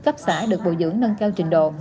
cấp xã được bồi dưỡng nâng cao trình độ